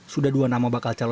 sudah dua nama bakal calon